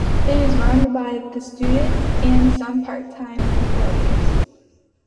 It is run by the students and some part-time employees.